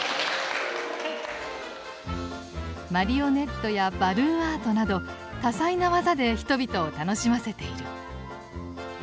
マリオネットやバルーンアートなど多彩な技で人々を楽しませている。